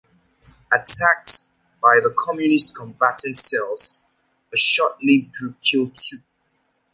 Attacks by the Communist Combatant Cells, a short-lived group, killed two.